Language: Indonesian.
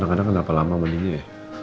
anak anak kenapa lama mandinya ya